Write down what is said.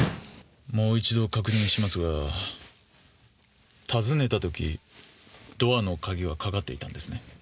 もう一度確認しますが訪ねた時ドアの鍵はかかっていたんですね？